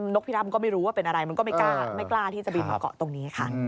กพี่ดำก็ไม่รู้ว่าเป็นอะไรมันก็ไม่กล้าที่จะบินมาเกาะตรงนี้ค่ะ